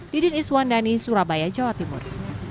didin iswandani surabaya jawa timur